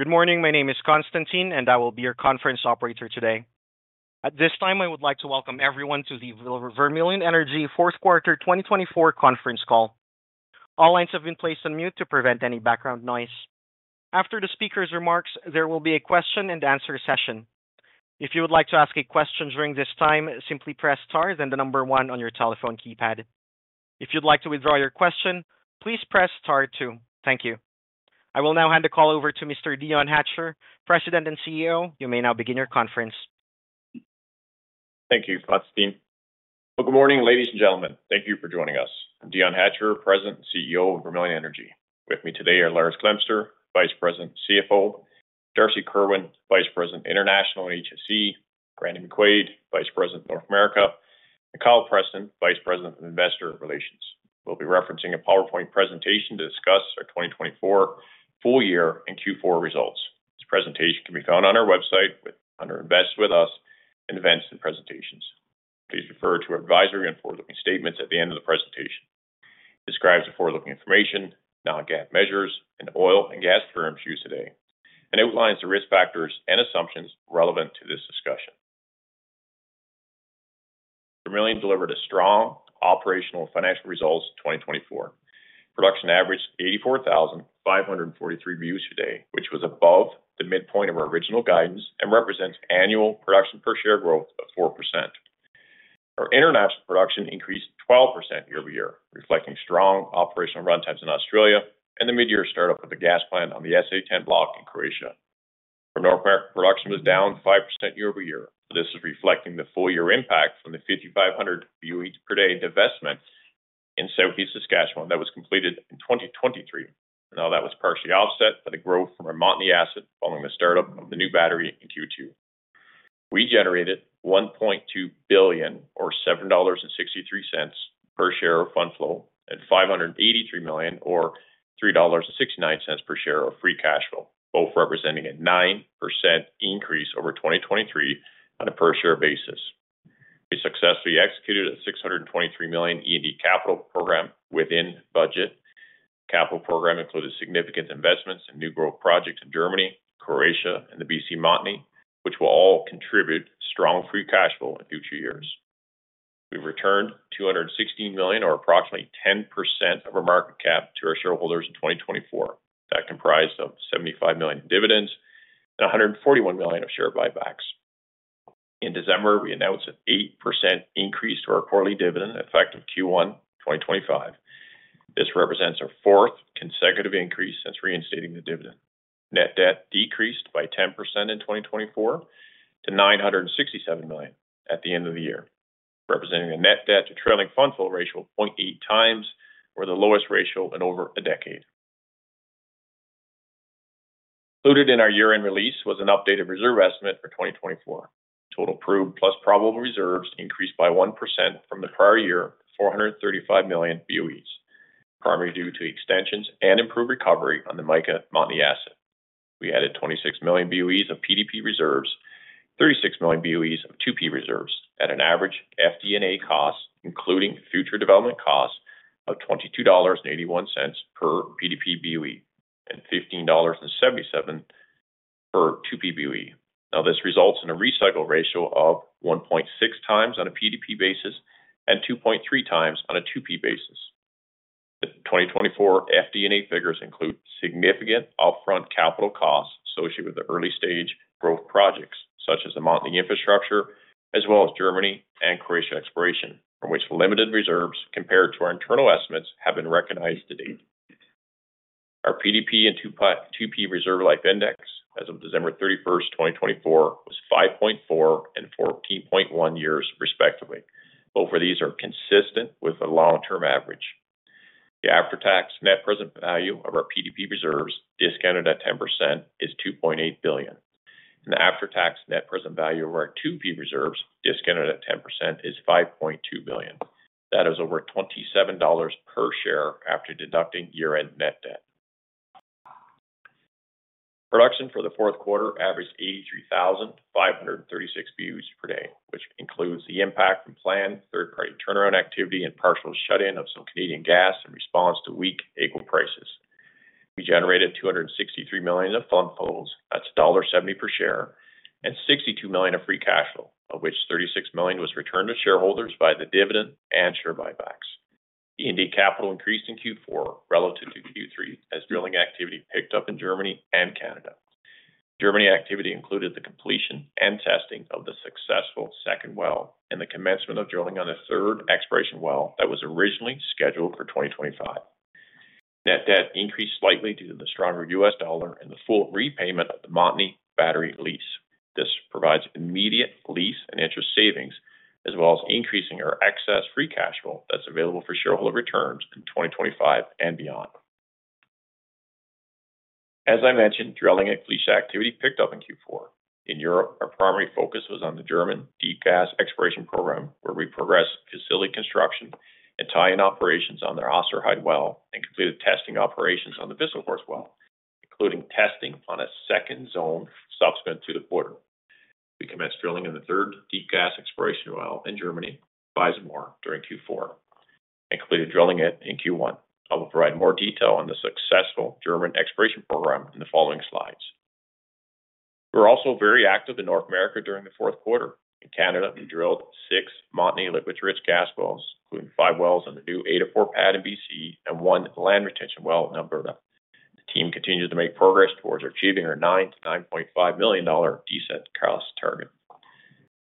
Good morning. My name is Konstantin, and I will be your conference operator today. At this time, I would like to welcome everyone to the Vermilion Energy Fourth Quarter 2024 conference call. All lines have been placed on mute to prevent any background noise. After the speaker's remarks, there will be a question-and-answer session. If you would like to ask a question during this time, simply press Star one on your telephone keypad. If you'd like to withdraw your question, please press star two. Thank you. I will now hand the call over to Mr. Dion Hatcher, President and CEO. You may now begin your conference. Thank you, Konstantin. Good morning, ladies and gentlemen. Thank you for joining us. I'm Dion Hatcher, President and CEO of Vermilion Energy. With me today are Lars Glemser, Vice President and CFO, Darcy Kerwin, Vice President International and HSE, Brandon McCue, Vice President North America, and Kyle Preston, Vice President and Investor Relations. We'll be referencing a PowerPoint presentation to discuss our 2024 full year and Q4 results. This presentation can be found on our website under "Invest with Us" in Events and Presentations. Please refer to our advisory and forward-looking statements at the end of the presentation. It describes the forward-looking information, non-GAAP measures, and oil and gas terms used today, and outlines the risk factors and assumptions relevant to this discussion. Vermilion delivered a strong operational and financial result in 2024. Production averaged 84,543 BOE per day, which was above the midpoint of our original guidance and represents annual production per share growth of 4%. Our international production increased 12% year-over-year, reflecting strong operational runtimes in Australia and the mid-year startup of the gas plant on the SA-10 block in Croatia. Our North American production was down 5% year-over-year. This is reflecting the full-year impact from the 5,500 BOE per day investment in Southeast Saskatchewan that was completed in 2023, and that was partially offset by the growth from Montney and the asset following the startup of the new battery in Q2. We generated 1.2 billion, or $7.63 per share of fund flow, and 583 million, or $3.69 per share of free cash flow, both representing a 9% increase over 2023 on a per-share basis. We successfully executed a 623 million E&D capital program within budget. The capital program included significant investments in new growth projects in Germany, Croatia, and the BC Montney, which will all contribute strong free cash flow in future years. We returned 216 million, or approximately 10% of our market cap, to our shareholders in 2024. That comprised 75 million in dividends and 141 million of share buybacks. In December, we announced an 8% increase to our quarterly dividend effective Q1 2025. This represents our fourth consecutive increase since reinstating the dividend. Net debt decreased by 10% in 2024 to 967 million at the end of the year, representing a net debt to trailing fund flow ratio of 0.8 times, or the lowest ratio in over a decade. Included in our year-end release was an updated reserve estimate for 2024. Total approved plus probable reserves increased by 1% from the prior year to 435 million BOEs, primarily due to extensions and improved recovery on the Mica Montney asset. We added 26 million BOEs of PDP reserves, 36 million BOEs of 2P reserves, at an average FD&A cost, including future development costs, of 22.81 dollars per PDP BOE and 15.77 dollars per 2P BOE. Now, this results in a recycle ratio of 1.6 times on a PDP basis and 2.3 times on a 2P basis. The 2024 FD&A figures include significant upfront capital costs associated with the early-stage growth projects, such as the Montney infrastructure, as well as Germany and Croatia exploration, from which limited reserves compared to our internal estimates have been recognized to date. Our PDP and 2P reserve life index as of December 31, 2024, was 5.4 and 14.1 years, respectively. Both of these are consistent with the long-term average. The after-tax net present value of our PDP reserves, discounted at 10%, is 2.8 billion. The after-tax net present value of our 2P reserves, discounted at 10%, is 5.2 billion. That is over $27 per share after deducting year-end net debt. Production for the fourth quarter averaged 83,536 BOE per day, which includes the impact from planned third-party turnaround activity and partial shut-in of some Canadian gas in response to weak AECO prices. We generated CAD 263 million of fund flows, that's $1.70 per share, and CAD 62 million of free cash flow, of which CAD 36 million was returned to shareholders by the dividend and share buybacks. E&D capital increased in Q4 relative to Q3 as drilling activity picked up in Germany and Canada. Germany activity included the completion and testing of the successful second well and the commencement of drilling on the third exploration well that was originally scheduled for 2025. Net debt increased slightly due to the stronger US dollar and the full repayment of the Montney battery lease. This provides immediate lease and interest savings, as well as increasing our excess free cash flow that's available for shareholder returns in 2025 and beyond. As I mentioned, drilling and lease activity picked up in Q4. In Europe, our primary focus was on the German deep gas exploration program, where we progressed facility construction and tie-in operations on the Osaida well and completed testing operations on the Whistlehorse well, including testing on a second zone subsequent to the border. We commenced drilling in the third deep gas exploration well in Germany, Weisenmohr, during Q4 and completed drilling in Q1. I will provide more detail on the successful German exploration program in the following slides. We were also very active in North America during the fourth quarter. In Canada, we drilled six Montney liquid-rich gas wells, including five wells on the new ADA4 pad in British Columbia and one land retention well in Alberta. The team continued to make progress towards achieving our 9 million-9.5 million dollar decent cost target.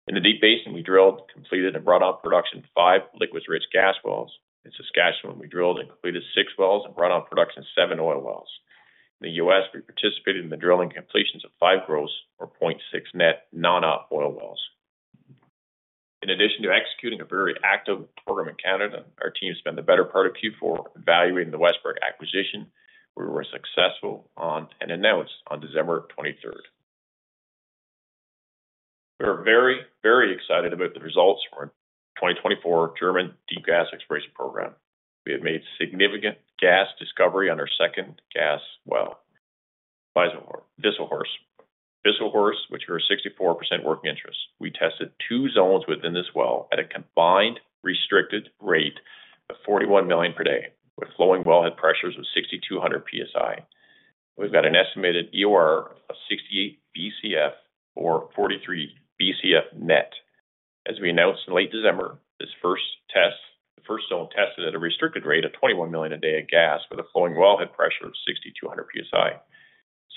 In the Deep Basin, we drilled, completed, and brought on production five liquid-rich gas wells. In Saskatchewan, we drilled and completed six wells and brought on production seven oil wells. In the U.S., we participated in the drilling completions of five gross, or 0.6 net, non-op oil wells. In addition to executing a very active program in Canada, our team spent the better part of Q4 evaluating the Westbrick acquisition, where we were successful on an announcement on December 23. We are very, very excited about the results from our 2024 German deep gas exploration program. We have made significant gas discovery on our second gas well, Weisenmohr. Weisenmohr, which grew 64% working interest. We tested two zones within this well at a combined restricted rate of 41 million per day, with flowing wellhead pressures of 6,200 psi. We've got an estimated EOR of 68 bcf or 43 bcf net. As we announced in late December, this first zone tested at a restricted rate of 21 million a day of gas with a flowing wellhead pressure of 6,200 psi.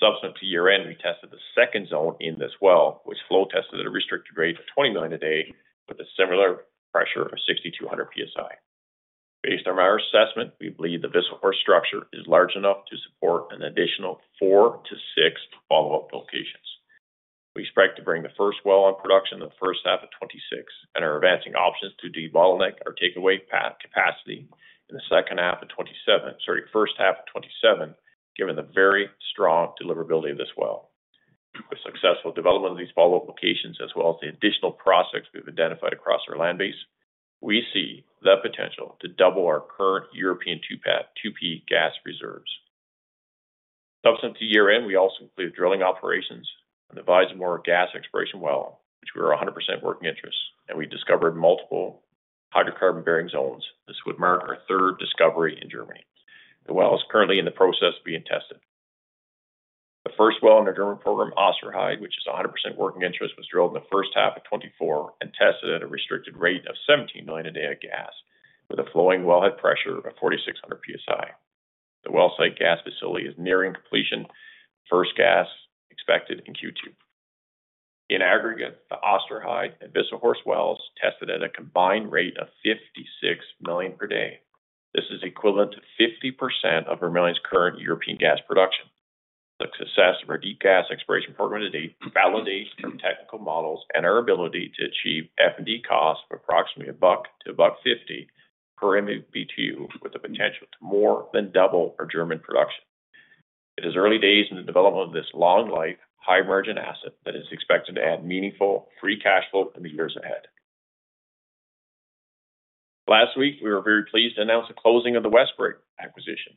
Subsequent to year-end, we tested the second zone in this well, which flow tested at a restricted rate of 20 million a day with a similar pressure of 6,200 psi. Based on our assessment, we believe the Whistlehorse structure is large enough to support an additional four to six follow-up locations. We expect to bring the first well on production in the first half of 2026 and are advancing options to de-bottleneck our takeaway capacity in the first half of 2027, given the very strong deliverability of this well. With successful development of these follow-up locations, as well as the additional prospects we have identified across our land base, we see the potential to double our current European 2P gas reserves. Subsequent to year-end, we also completed drilling operations on the Weisenmohr gas exploration well, which grew 100% working interest, and we discovered multiple hydrocarbon-bearing zones. This would mark our third discovery in Germany. The well is currently in the process of being tested. The first well in our German program, Osaida, which is 100% working interest, was drilled in the first half of 2024 and tested at a restricted rate of 17 million a day of gas, with a flowing wellhead pressure of 4,600 psi. The wellsite gas facility is nearing completion, first gas expected in Q2. In aggregate, the Osaida and Whistlehorse wells tested at a combined rate of 56 million per day. This is equivalent to 50% of Vermilion's current European gas production. The success of our deep gas exploration program to date validates our technical models and our ability to achieve F&D costs of approximately $1-$1.50 per MVP2, with the potential to more than double our German production. It is early days in the development of this long-life, high-margin asset that is expected to add meaningful free cash flow in the years ahead. Last week, we were very pleased to announce the closing of the Westbrick acquisition.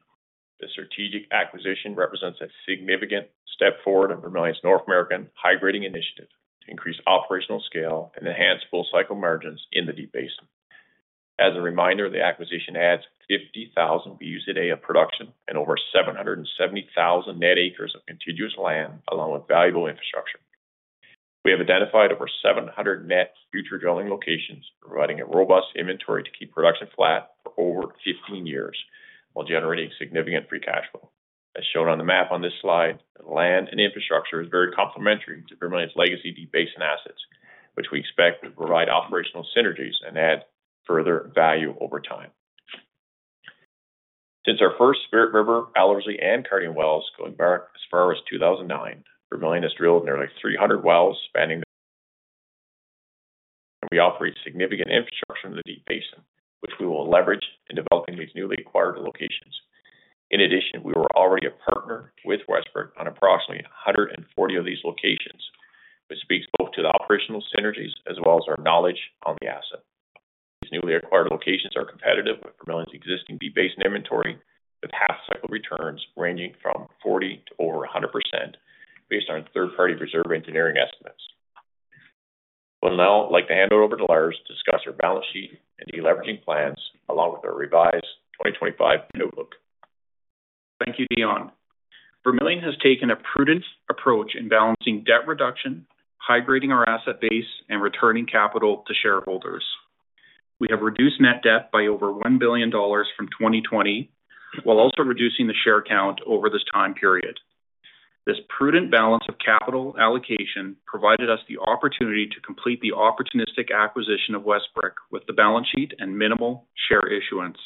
This strategic acquisition represents a significant step forward in Vermilion's North American high-grading initiative to increase operational scale and enhance full-cycle margins in the Deep Basin. As a reminder, the acquisition adds 50,000 BOE a day of production and over 770,000 net acres of contiguous land, along with valuable infrastructure. We have identified over 700 net future drilling locations, providing a robust inventory to keep production flat for over 15 years while generating significant free cash flow. As shown on the map on this slide, the land and infrastructure is very complementary to Vermilion's legacy Deep Basin assets, which we expect will provide operational synergies and add further value over time. Since our first Spirit River, Aldersley, and Kardian wells going back as far as 2009, Vermilion has drilled nearly 300 wells spanning the region, and we operate significant infrastructure in the Deep Basin, which we will leverage in developing these newly acquired locations. In addition, we were already a partner with Westbrick on approximately 140 of these locations, which speaks both to the operational synergies as well as our knowledge on the asset. These newly acquired locations are competitive with Vermilion's existing Deep Basin inventory, with half-cycle returns ranging from 40% to over 100%, based on third-party reserve engineering estimates. I would now like to hand it over to Lars to discuss our balance sheet and the leveraging plans, along with our revised 2025 notebook. Thank you, Dion. Vermilion has taken a prudent approach in balancing debt reduction, high-grading our asset base, and returning capital to shareholders. We have reduced net debt by over $1 billion from 2020, while also reducing the share count over this time period. This prudent balance of capital allocation provided us the opportunity to complete the opportunistic acquisition of Westbrick with the balance sheet and minimal share issuance.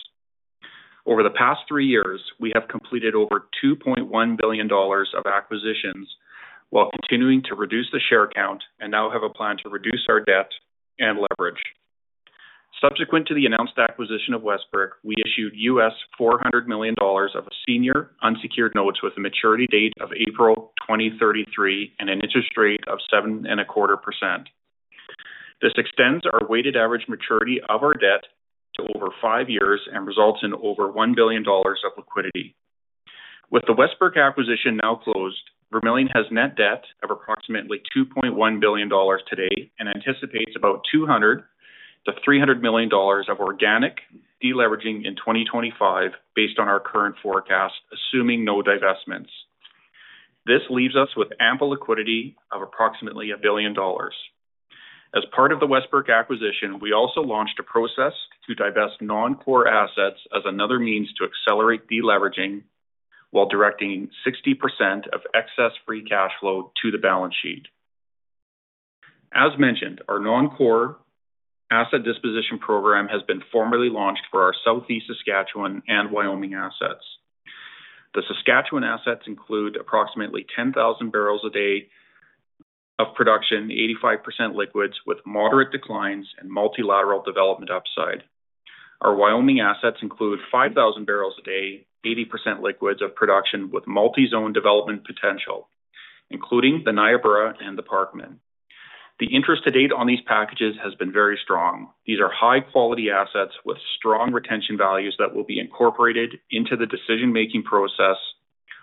Over the past three years, we have completed over $2.1 billion of acquisitions while continuing to reduce the share count and now have a plan to reduce our debt and leverage. Subsequent to the announced acquisition of Westbrick, we issued $400 million of senior unsecured notes with a maturity date of April 2033 and an interest rate of 7.25%. This extends our weighted average maturity of our debt to over five years and results in over $1 billion of liquidity. With the Westbrick acquisition now closed, Vermilion has net debt of approximately 2.1 billion dollars today and anticipates about 200 million-300 million dollars of organic deleveraging in 2025, based on our current forecast, assuming no divestments. This leaves us with ample liquidity of approximately 1 billion dollars. As part of the Westbrick acquisition, we also launched a process to divest non-core assets as another means to accelerate deleveraging while directing 60% of excess free cash flow to the balance sheet. As mentioned, our non-core asset disposition program has been formally launched for our Southeast Saskatchewan and Wyoming assets. The Saskatchewan assets include approximately 10,000 barrels a day of production, 85% liquids, with moderate declines and multilateral development upside. Our Wyoming assets include 5,000 barrels a day, 80% liquids of production with multi-zone development potential, including the Niobrara and the Parkman. The interest to date on these packages has been very strong. These are high-quality assets with strong retention values that will be incorporated into the decision-making process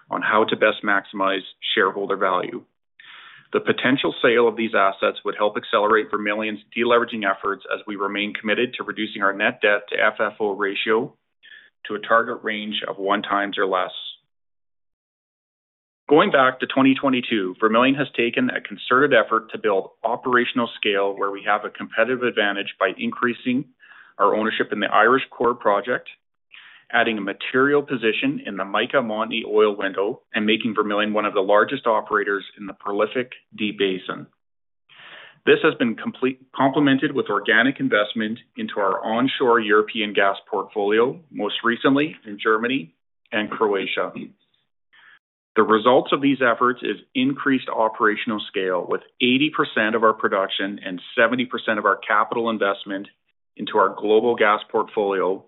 on how to best maximize shareholder value. The potential sale of these assets would help accelerate Vermilion's deleveraging efforts as we remain committed to reducing our net debt to FFO ratio to a target range of one times or less. Going back to 2022, Vermilion has taken a concerted effort to build operational scale where we have a competitive advantage by increasing our ownership in the Irish Core project, adding a material position in the Mica Montney oil window, and making Vermilion one of the largest operators in the prolific Deep Basin. This has been complemented with organic investment into our onshore European gas portfolio, most recently in Germany and Croatia. The result of these efforts is increased operational scale with 80% of our production and 70% of our capital investment into our global gas portfolio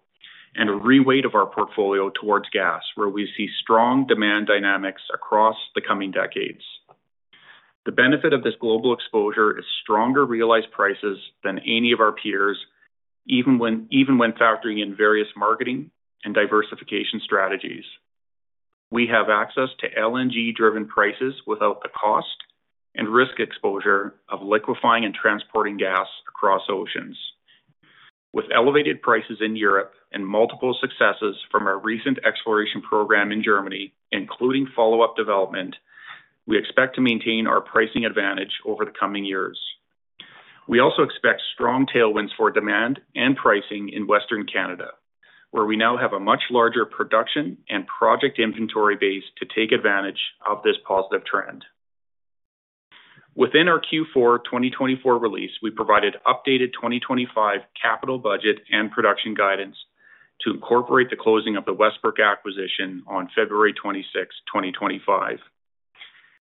and a reweight of our portfolio towards gas, where we see strong demand dynamics across the coming decades. The benefit of this global exposure is stronger realized prices than any of our peers, even when factoring in various marketing and diversification strategies. We have access to LNG-driven prices without the cost and risk exposure of liquefying and transporting gas across oceans. With elevated prices in Europe and multiple successes from our recent exploration program in Germany, including follow-up development, we expect to maintain our pricing advantage over the coming years. We also expect strong tailwinds for demand and pricing in Western Canada, where we now have a much larger production and project inventory base to take advantage of this positive trend. Within our Q4 2024 release, we provided updated 2025 capital budget and production guidance to incorporate the closing of the Westbrick acquisition on February 26, 2025.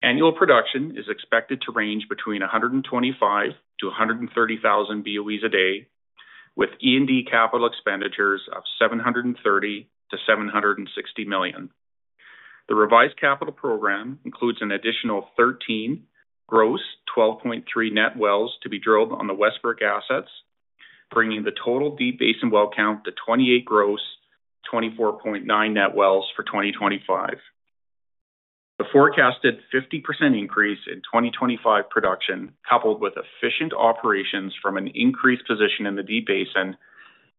Annual production is expected to range between 125,000-130,000 BOEs a day, with E&D capital expenditures of 730 million-760 million. The revised capital program includes an additional 13 gross, 12.3 net wells to be drilled on the Westbrick assets, bringing the total Deep Basin well count to 28 gross, 24.9 net wells for 2025. The forecasted 50% increase in 2025 production, coupled with efficient operations from an increased position in the Deep Basin,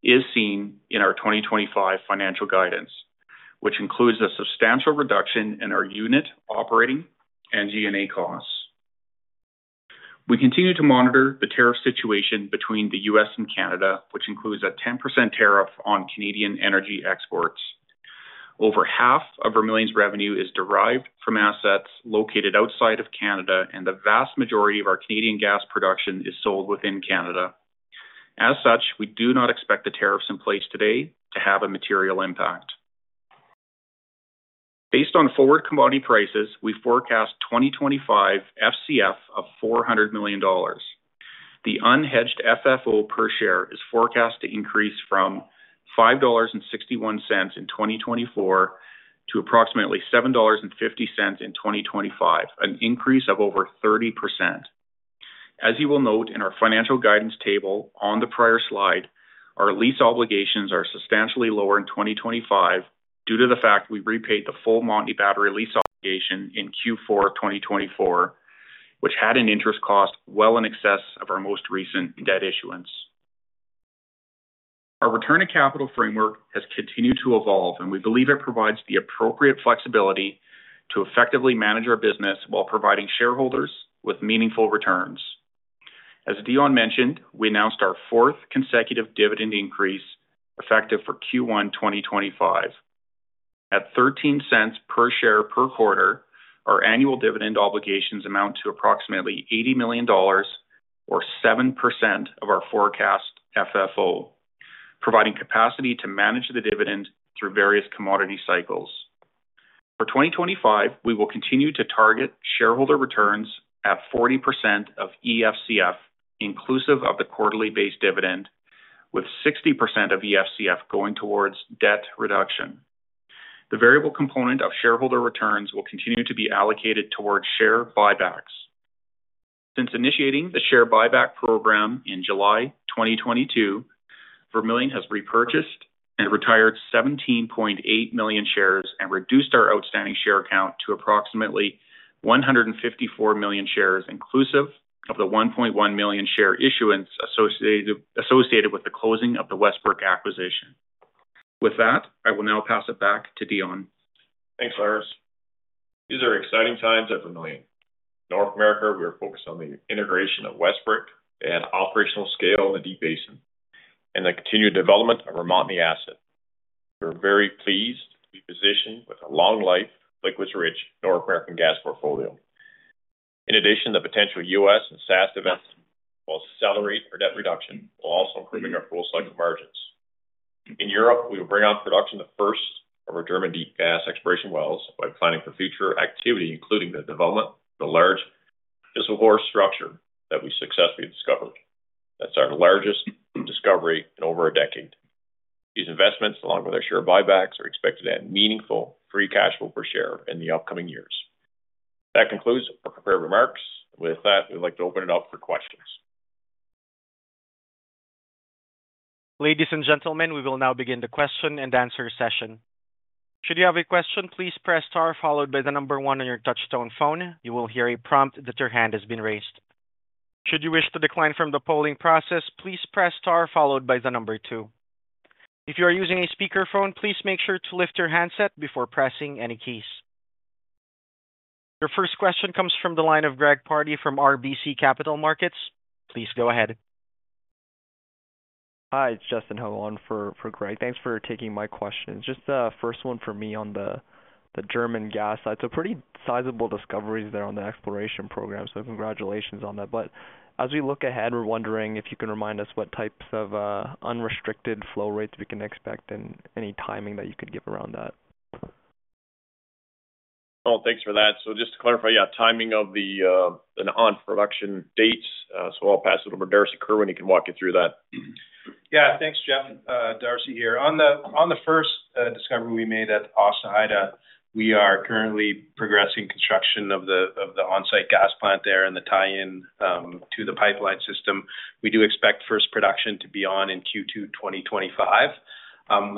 is seen in our 2025 financial guidance, which includes a substantial reduction in our unit operating and G&A costs. We continue to monitor the tariff situation between the U.S. and Canada, which includes a 10% tariff on Canadian energy exports. Over half of Vermilion's revenue is derived from assets located outside of Canada, and the vast majority of our Canadian gas production is sold within Canada. As such, we do not expect the tariffs in place today to have a material impact. Based on forward commodity prices, we forecast 2025 FCF of 400 million dollars. The unhedged FFO per share is forecast to increase from 5.61 dollars in 2024 to approximately 7.50 dollars in 2025, an increase of over 30%. As you will note in our financial guidance table on the prior slide, our lease obligations are substantially lower in 2025 due to the fact we repaid the full Montney battery lease obligation in Q4 2024, which had an interest cost well in excess of our most recent debt issuance. Our return to capital framework has continued to evolve, and we believe it provides the appropriate flexibility to effectively manage our business while providing shareholders with meaningful returns. As Dion mentioned, we announced our fourth consecutive dividend increase effective for Q1 2025. At 0.13 per share per quarter, our annual dividend obligations amount to approximately 80 million dollars or 7% of our forecast FFO, providing capacity to manage the dividend through various commodity cycles. For 2025, we will continue to target shareholder returns at 40% of EFCF, inclusive of the quarterly base dividend, with 60% of EFCF going towards debt reduction. The variable component of shareholder returns will continue to be allocated towards share buybacks. Since initiating the share buyback program in July 2022, Vermilion has repurchased and retired 17.8 million shares and reduced our outstanding share count to approximately 154 million shares, inclusive of the 1.1 million share issuance associated with the closing of the Westbrick acquisition. With that, I will now pass it back to Dion. Thanks, Lars. These are exciting times at Vermilion. In North America, we are focused on the integration of Westbrick and operational scale in the Deep Basin and the continued development of our Montney asset. We're very pleased to be positioned with a long-life, liquids-rich North American gas portfolio. In addition, the potential US and SAS events will accelerate our debt reduction, also improving our full-cycle margins. In Europe, we will bring on production of the first of our German deep gas exploration wells by planning for future activity, including the development of the large Whistlehorse structure that we successfully discovered. That is our largest discovery in over a decade. These investments, along with our share buybacks, are expected to add meaningful free cash flow per share in the upcoming years. That concludes our prepared remarks. With that, we'd like to open it up for questions. Ladies and gentlemen, we will now begin the question and answer session. Should you have a question, please press * followed by the number one on your touchstone phone. You will hear a prompt that your hand has been raised. Should you wish to decline from the polling process, please press star followed by the number two. If you are using a speakerphone, please make sure to lift your handset before pressing any keys. Your first question comes from the line of Gregory Pardy from RBC Capital Markets. Please go ahead. Hi, it's Justin Hewell for Greg. Thanks for taking my question. Just the first one for me on the German gas. It's a pretty sizable discovery there on the exploration program, so congratulations on that. As we look ahead, we're wondering if you can remind us what types of unrestricted flow rates we can expect and any timing that you could give around that. Thanks for that. Just to clarify, timing of the on-production dates. I'll pass it over to Darcy Kerwin. He can walk you through that. Thanks. Darcy here. On the first discovery we made at Osaida, we are currently progressing construction of the on-site gas plant there and the tie-in to the pipeline system. We do expect first production to be on in Q2 2025.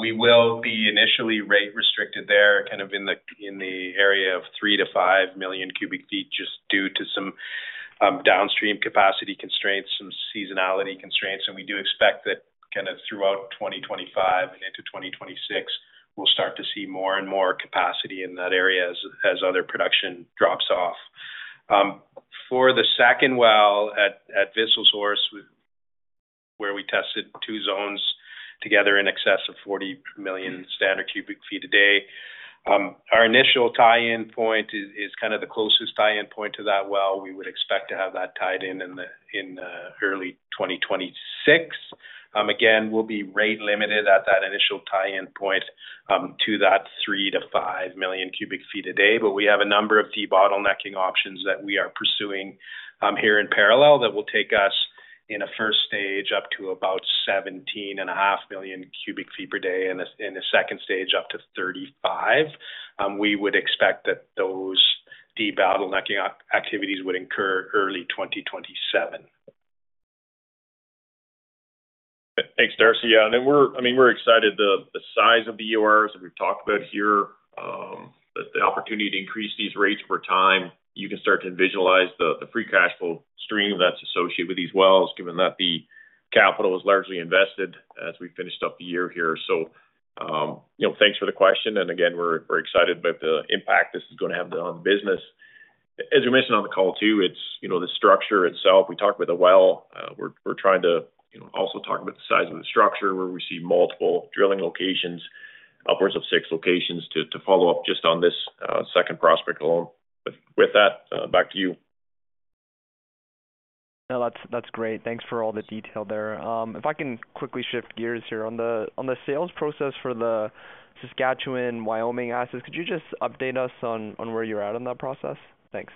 We will be initially rate-restricted there, kind of in the area of 3-5 million cubic feet, just due to some downstream capacity constraints, some seasonality constraints. We do expect that kind of throughout 2025 and into 2026, we'll start to see more and more capacity in that area as other production drops off. For the second well at Whistlehorse where we tested two zones together in excess of 40 million standard cubic feet a day, our initial tie-in point is kind of the closest tie-in point to that well. We would expect to have that tied in in early 2026. Again, we'll be rate-limited at that initial tie-in point to that 3-5 million cubic feet a day. We have a number of debottlenecking options that we are pursuing here in parallel that will take us in a first stage up to about 17.5 million cubic feet per day and in a second stage up to 35. We would expect that those debottlenecking activities would incur early 2027. Thanks, Darcy. Yeah, I mean, we're excited. The size of the EORs that we've talked about here, the opportunity to increase these rates over time, you can start to visualize the free cash flow stream that's associated with these wells, given that the capital is largely invested as we finished up the year here. Thanks for the question. We're excited about the impact this is going to have on the business. As we mentioned on the call too, the structure itself, we talked about the well. We're trying to also talk about the size of the structure where we see multiple drilling locations, upwards of six locations to follow up just on this second prospect alone. With that, back to you. No, that's great. Thanks for all the detail there. If I can quickly shift gears here on the sales process for the Saskatchewan and Wyoming assets, could you just update us on where you're at on that process? Thanks.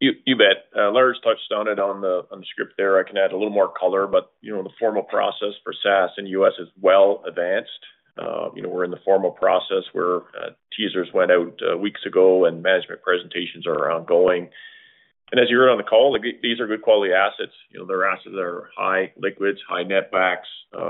You bet. Lars touched on it on the script there. I can add a little more color, but the formal process for SAS and US is well advanced. We're in the formal process where teasers went out weeks ago and management presentations are ongoing. As you heard on the call, these are good quality assets. Their assets are high liquids, high netbacks,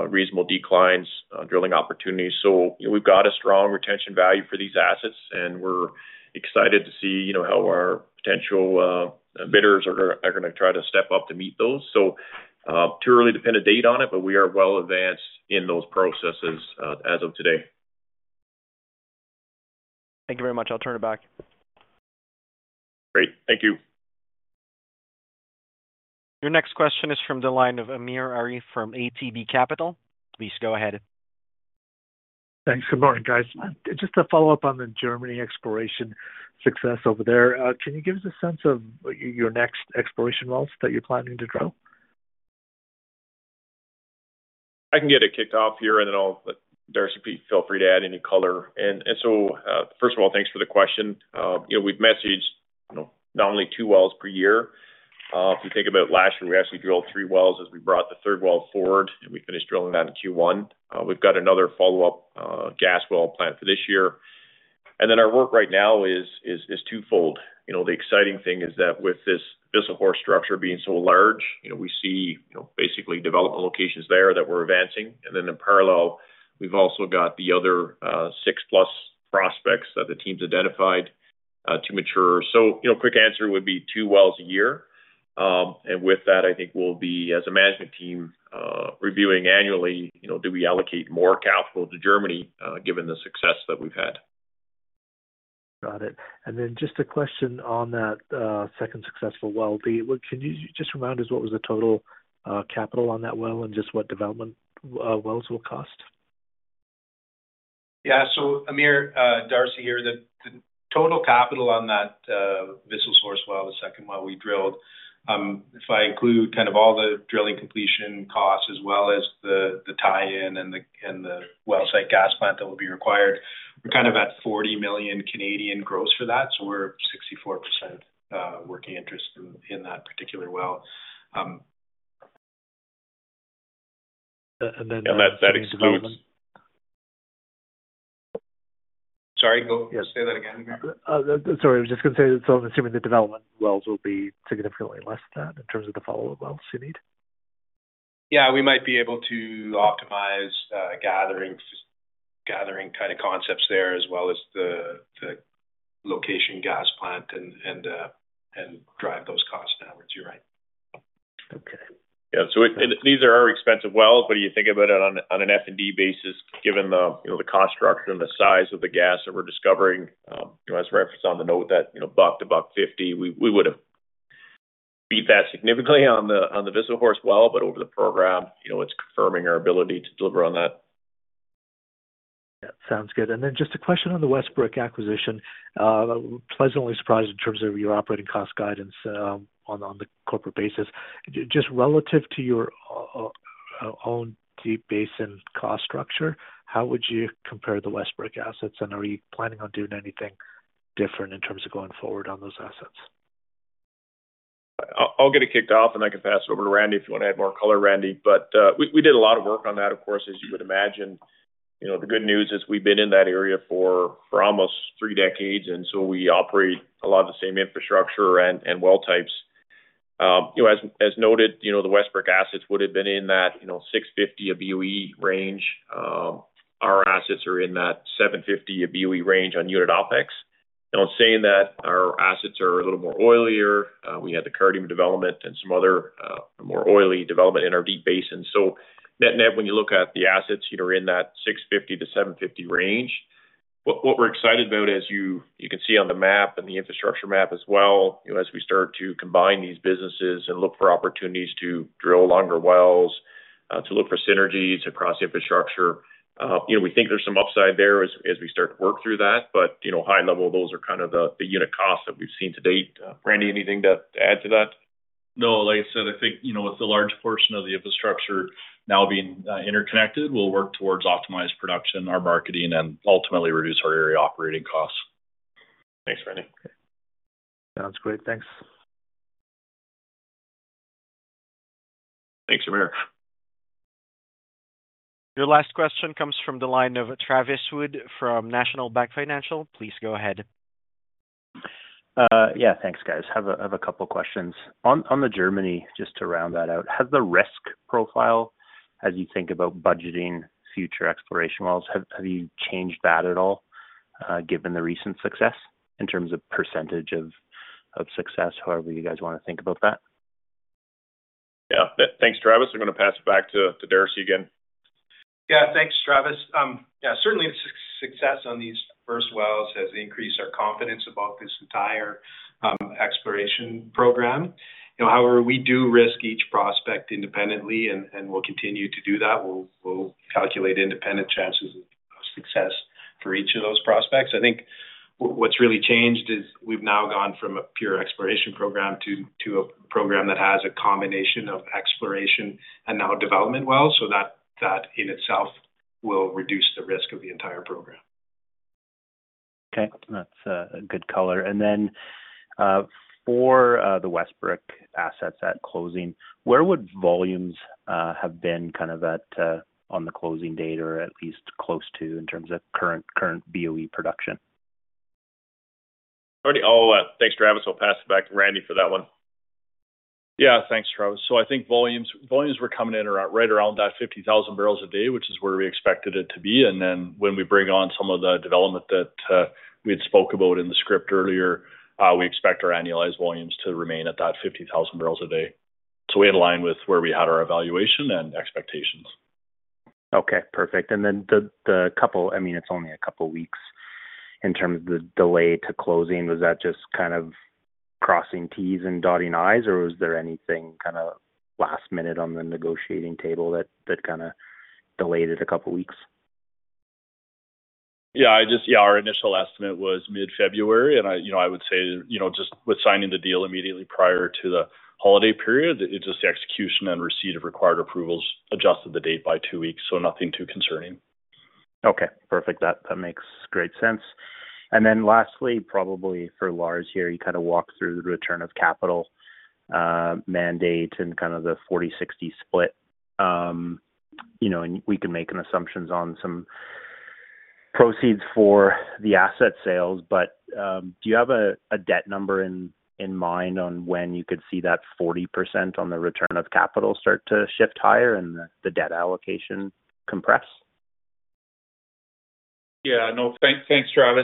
reasonable declines, drilling opportunities. We have a strong retention value for these assets, and we are excited to see how our potential bidders are going to try to step up to meet those. It is too early to pin a date on it, but we are well advanced in those processes as of today. Thank you very much. I will turn it back. Great. Thank you. Your next question is from the line of Amir Arif from ATB Capital. Please go ahead. Thanks. Good morning, guys. Just to follow up on the Germany exploration success over there, can you give us a sense of your next exploration wells that you are planning to drill? I can get it kicked off here, and then Darcy, feel free to add any color. First of all, thanks for the question. We've messaged not only two wells per year. If you think about last year, we actually drilled three wells as we brought the third well forward, and we finished drilling that in Q1. We've got another follow-up gas well planned for this year. Our work right now is twofold. The exciting thing is that with this Whistlehorse structure being so large, we see basically development locations there that we're advancing. In parallel, we've also got the other six-plus prospects that the team's identified to mature. Quick answer would be two wells a year. With that, I think we'll be, as a management team, reviewing annually, do we allocate more capital to Germany given the success that we've had? Got it. Just a question on that second successful well. Can you just remind us what was the total capital on that well and just what development wells will cost? Yeah. Amir, Darcy here, the total capital on that Whistlehorse well, the second well we drilled, if I include kind of all the drilling completion costs as well as the tie-in and the well site gas plant that will be required, we are kind of at 40 million gross for that. We are 64% working interest in that particular well. That excludes. Sorry, say that again, Amir. Sorry, I was just going to say, I am assuming the development wells will be significantly less than that in terms of the follow-up wells you need? Yeah, we might be able to optimize gathering kind of concepts there as well as the location gas plant and drive those costs downwards. You are right. Okay. Yeah. These are our expensive wells, but you think about it on an F&D basis, given the cost structure and the size of the gas that we're discovering. As referenced on the note, that buck to buck 50, we would have beat that significantly on the Whistlehorse well, but over the program, it's confirming our ability to deliver on that. Yeah. Sounds good. Just a question on the Westbrick acquisition. Pleasantly surprised in terms of your operating cost guidance on the corporate basis. Just relative to your own Deep Basin cost structure, how would you compare the Westbrick assets? Are you planning on doing anything different in terms of going forward on those assets? I'll get it kicked off, and I can pass it over to Darcy if you want to add more color, Darcy. We did a lot of work on that, of course, as you would imagine. The good news is we've been in that area for almost three decades, and we operate a lot of the same infrastructure and well types. As noted, the Westbrick assets would have been in that 650 BOE range. Our assets are in that 750 BOE range on unit OpEx. In saying that, our assets are a little more oilier. We had the curtains development and some other more oily development in our Deep Basin. Net-net, when you look at the assets, you're in that 650-750 range. What we're excited about, as you can see on the map and the infrastructure map as well, as we start to combine these businesses and look for opportunities to drill longer wells, to look for synergies across infrastructure, we think there's some upside there as we start to work through that. High level, those are kind of the unit costs that we've seen to date. Darcy, anything to add to that? No, like I said, I think with the large portion of the infrastructure now being interconnected, we'll work towards optimized production, our marketing, and ultimately reduce our area operating costs. Thanks, Darcy. Sounds great. Thanks. Thanks, Amir. Your last question comes from the line of Travis Wood from National Bank Financial. Please go ahead. Yeah. Thanks, guys. I have a couple of questions. On the Germany, just to round that out, has the risk profile, as you think about budgeting future exploration wells, have you changed that at all given the recent success in terms of percentage of success? However you guys want to think about that. Yeah. Thanks, Travis. I'm going to pass it back to Darcy again. Yeah. Thanks, Travis. Yeah, certainly the success on these first wells has increased our confidence about this entire exploration program. However, we do risk each prospect independently, and we'll continue to do that. We'll calculate independent chances of success for each of those prospects. I think what's really changed is we've now gone from a pure exploration program to a program that has a combination of exploration and now development wells. That in itself will reduce the risk of the entire program. Okay. That's good color. Then for the Westbrick assets at closing, where would volumes have been kind of on the closing date or at least close to in terms of current BOE production? Oh, thanks, Travis. I'll pass it back to Darcy for that one. Yeah, thanks, Travis. I think volumes were coming in right around that 50,000 barrels a day, which is where we expected it to be. When we bring on some of the development that we had spoke about in the script earlier, we expect our annualized volumes to remain at that 50,000 barrels a day. We had aligned with where we had our evaluation and expectations. Okay. Perfect. The couple—I mean, it's only a couple of weeks in terms of the delay to closing. Was that just kind of crossing T's and dotting I's, or was there anything kind of last minute on the negotiating table that kind of delayed it a couple of weeks? Yeah. Yeah. Our initial estimate was mid-February. I would say just with signing the deal immediately prior to the holiday period, just the execution and receipt of required approvals adjusted the date by two weeks. Nothing too concerning. Okay. Perfect. That makes great sense. Lastly, probably for Lars here, you kind of walked through the return of capital mandate and kind of the 40/60 split. We can make an assumption on some proceeds for the asset sales. Do you have a debt number in mind on when you could see that 40% on the return of capital start to shift higher and the debt allocation compress? Yeah. No. Thanks, Travis.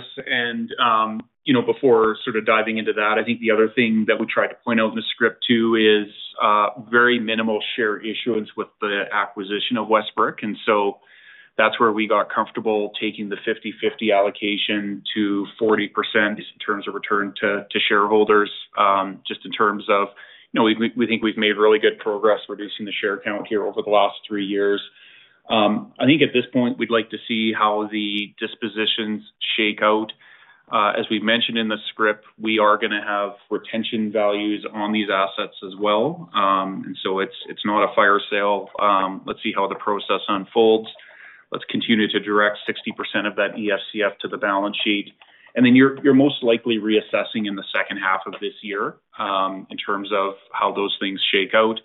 Before sort of diving into that, I think the other thing that we tried to point out in the script too is very minimal share issuance with the acquisition of Westbrick. That is where we got comfortable taking the 50/50 allocation to 40% in terms of return to shareholders, just in terms of we think we've made really good progress reducing the share count here over the last three years. I think at this point, we'd like to see how the dispositions shake out. As we've mentioned in the script, we are going to have retention values on these assets as well. It is not a fire sale. Let's see how the process unfolds. Let's continue to direct 60% of that EFCF to the balance sheet. Then you're most likely reassessing in the second half of this year in terms of how those things shake out.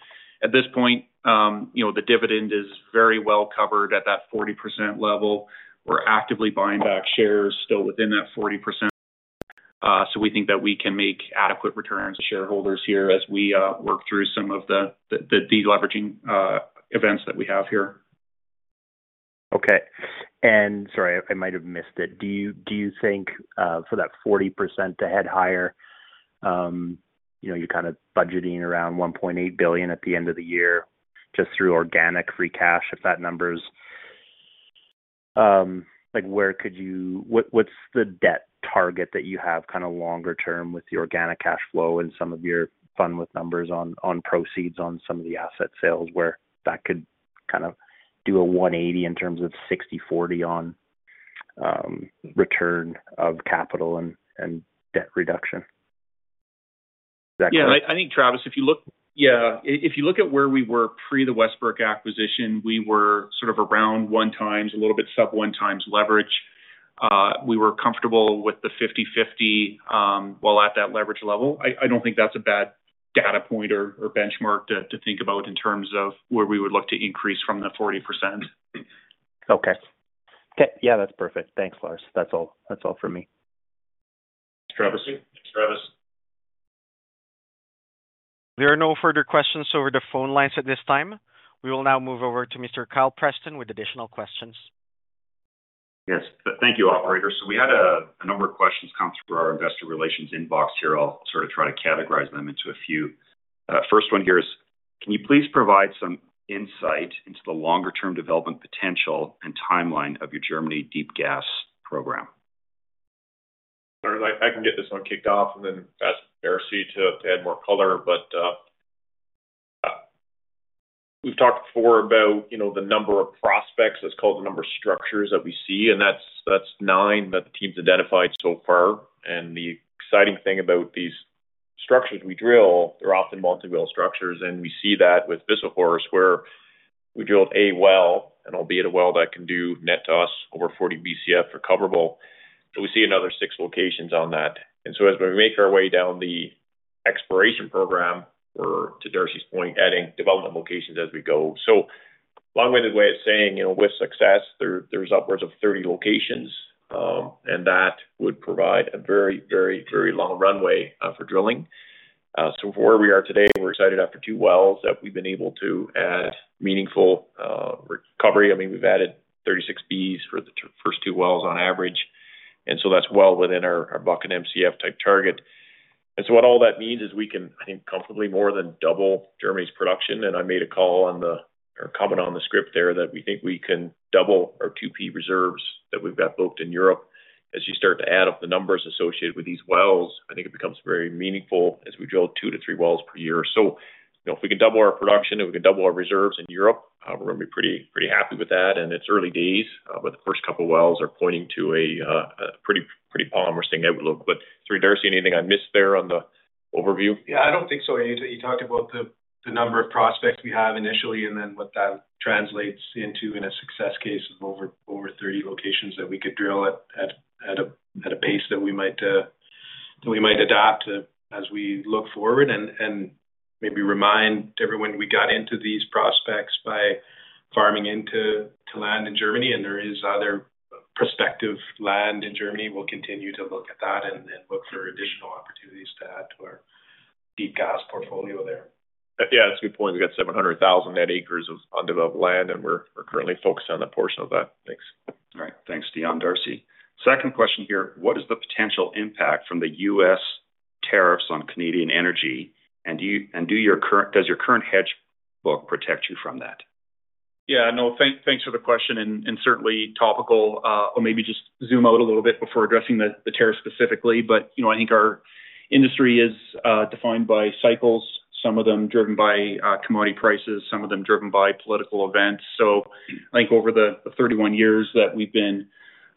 At this point, the dividend is very well covered at that 40% level. We're actively buying back shares still within that 40%. We think that we can make adequate returns. Shareholders here as we work through some of the de-leveraging events that we have here. Okay. Sorry, I might have missed it. Do you think for that 40% to head higher, you're kind of budgeting around 1.8 billion at the end of the year just through organic free cash? If that number is—what's the debt target that you have kind of longer term with your organic cash flow and some of your fun with numbers on proceeds on some of the asset sales where that could kind of do a 180 in terms of 60/40 on return of capital and debt reduction? Yeah. I think, Travis, if you look—yeah. If you look at where we were pre the Westbrick acquisition, we were sort of around one times, a little bit sub one times leverage. We were comfortable with the 50/50 while at that leverage level. I do not think that is a bad data point or benchmark to think about in terms of where we would look to increase from that 40%. Okay. Yeah. That is perfect. Thanks, Lars. That is all for me. Thanks, Travis. There are no further questions over the phone lines at this time. We will now move over to Mr. Kyle Preston with additional questions. Yes. Thank you, operator. We had a number of questions come through our investor relations inbox here. I will sort of try to categorize them into a few. First one here is, can you please provide some insight into the longer-term development potential and timeline of your Germany deep gas program? I can get this one kicked off, and then ask Darcy to add more color. We've talked before about the number of prospects, that's called the number of structures that we see, and that's nine that the team's identified so far. The exciting thing about these structures we drill, they're often multi-well structures. We see that with Whistlehorse where we drilled a well, and albeit a well that can do net to us over 40 BCF recoverable, we see another six locations on that. As we make our way down the exploration program, we're, to Darcy's point, adding development locations as we go. Long-winded way of saying, with success, there's upwards of 30 locations, and that would provide a very, very, very long runway for drilling. Where we are today, we're excited after two wells that we've been able to add meaningful recovery. I mean, we've added 36 BCF for the first two wells on average. That is well within our BOE and MVP2 type target. What all that means is we can, I think, comfortably more than double Germany's production. I made a comment on the script there that we think we can double our 2P reserves that we've got booked in Europe. As you start to add up the numbers associated with these wells, I think it becomes very meaningful as we drill two to three wells per year. If we can double our production and we can double our reserves in Europe, we're going to be pretty happy with that. It's early days, but the first couple of wells are pointing to a pretty promising outlook. Sir, Darcy, anything I missed there on the overview? Yeah. I don't think so. You talked about the number of prospects we have initially and then what that translates into in a success case of over 30 locations that we could drill at a pace that we might adapt as we look forward and maybe remind everyone we got into these prospects by farming into land in Germany. There is other prospective land in Germany. We'll continue to look at that and look for additional opportunities to add to our deep gas portfolio there. Yeah. That's a good point. We've got 700,000 net acres of undeveloped land, and we're currently focused on that portion of that. Thanks. All right. Thanks, Dion. Darcy. Second question here. What is the potential impact from the U.S. tariffs on Canadian energy? And does your current hedge book protect you from that? Yeah. No. Thanks for the question. Certainly topical. I'll maybe just zoom out a little bit before addressing the tariff specifically. I think our industry is defined by cycles, some of them driven by commodity prices, some of them driven by political events. I think over the 31 years that we've been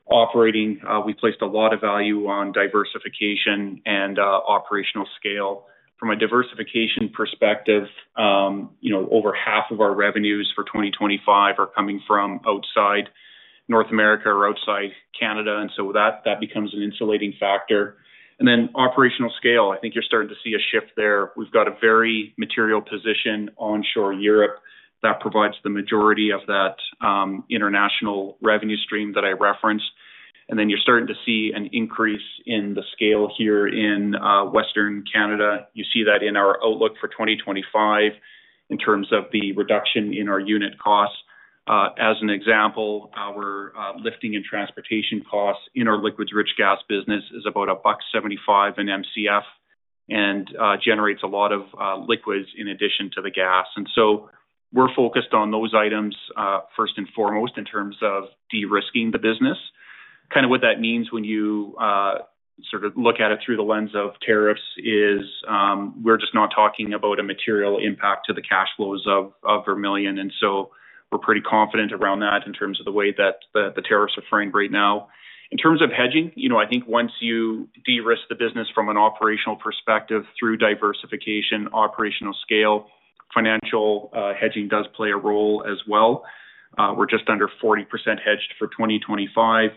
operating, we've placed a lot of value on diversification and operational scale. From a diversification perspective, over half of our revenues for 2025 are coming from outside North America or outside Canada. That becomes an insulating factor. Operational scale, I think you're starting to see a shift there. We've got a very material position onshore Europe that provides the majority of that international revenue stream that I referenced. You are starting to see an increase in the scale here in Western Canada. You see that in our outlook for 2025 in terms of the reduction in our unit costs. As an example, our lifting and transportation costs in our liquids-rich gas business is about 1.75 in MCF and generates a lot of liquids in addition to the gas. We are focused on those items first and foremost in terms of de-risking the business. What that means when you sort of look at it through the lens of tariffs is we are just not talking about a material impact to the cash flows of Vermilion. We are pretty confident around that in terms of the way that the tariffs are framed right now. In terms of hedging, I think once you de-risk the business from an operational perspective through diversification, operational scale, financial hedging does play a role as well. We're just under 40% hedged for 2025.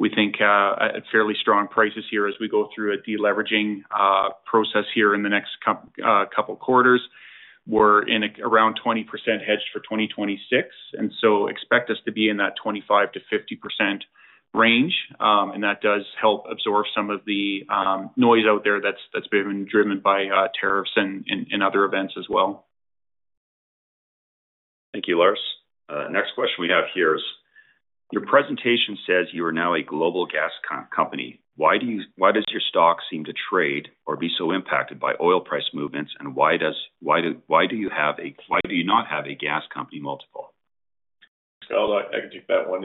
We think at fairly strong prices here as we go through a de-leveraging process here in the next couple of quarters. We're in around 20% hedged for 2026. Expect us to be in that 25-50% range. That does help absorb some of the noise out there that's been driven by tariffs and other events as well. Thank you, Lars. Next question we have here is, your presentation says you are now a global gas company. Why does your stock seem to trade or be so impacted by oil price movements? Why do you not have a gas company multiple? I can take that one.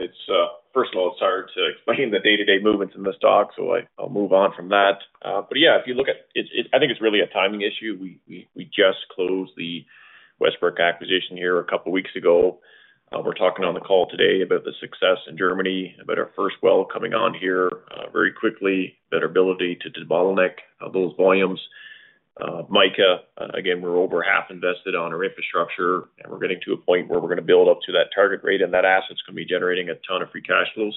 First of all, it's hard to explain the day-to-day movements in the stock, so I'll move on from that. Yeah, if you look at—I think it's really a timing issue. We just closed the Westbrick acquisition here a couple of weeks ago. We're talking on the call today about the success in Germany, about our first well coming on here very quickly, that our ability to bottleneck those volumes. Mica, again, we're over half invested on our infrastructure, and we're getting to a point where we're going to build up to that target rate, and that asset's going to be generating a ton of free cash flow.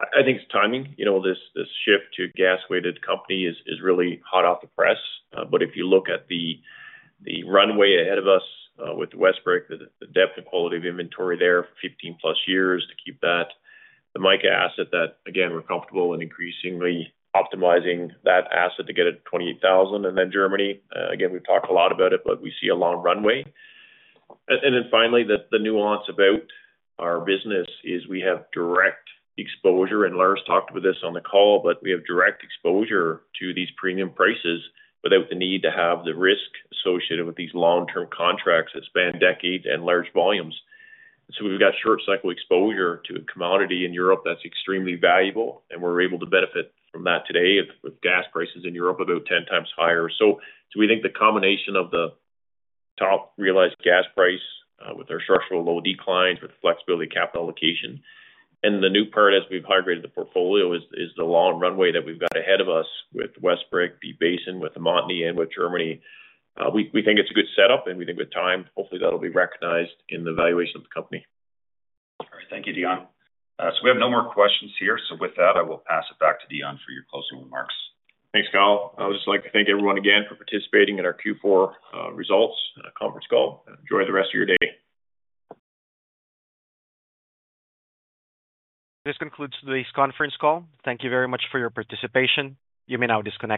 I think it's timing. This shift to a gas-weighted company is really hot off the press. If you look at the runway ahead of us with Westbrick, the depth and quality of inventory there for 15-plus years to keep that, the Mica asset that, again, we're comfortable in increasingly optimizing that asset to get at 28,000. Germany, again, we've talked a lot about it, but we see a long runway. Finally, the nuance about our business is we have direct exposure, and Lars talked about this on the call, but we have direct exposure to these premium prices without the need to have the risk associated with these long-term contracts that span decades and large volumes. We have short-cycle exposure to a commodity in Europe that's extremely valuable, and we're able to benefit from that today with gas prices in Europe about 10 times higher. We think the combination of the top realized gas price with our structural low declines with flexibility capital allocation. The new part, as we have hydrated the portfolio, is the long runway that we have got ahead of us with Westbrick, the basin with Montney, and with Germany. We think it is a good setup, and we think with time, hopefully that will be recognized in the valuation of the company. All right. Thank you, Dion. We have no more questions here. With that, I will pass it back to Dion for your closing remarks. Thanks, Kyle. I would just like to thank everyone again for participating in our Q4 results conference call. Enjoy the rest of your day. This concludes today's conference call. Thank you very much for your participation. You may now disconnect.